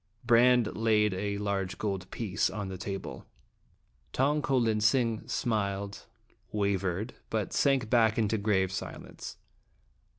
Brande laid a large gold piece on the table. Tong ko lin sing smiled, wavered, but sank back into grave silence.